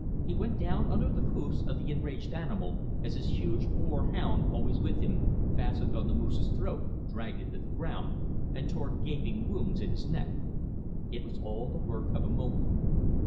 He went down under the hoofs of the enraged animal, as his huge boar hound, always with him, fastened on the moose's throat, dragged him to the ground, and tore gaping wounds in his neck. It was all the work of a moment.